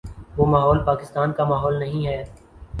وہ ماحول پاکستان کا ماحول نہیں ہے۔